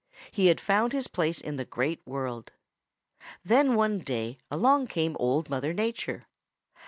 He had found his place in the Great World. Then one day along came Old Mother Nature.